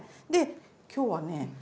今日はね